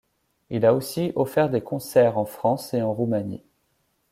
Il a aussi offert des concerts en France et en Roumanie.